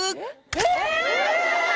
え！